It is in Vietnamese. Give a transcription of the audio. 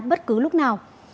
bất cứ lúc nào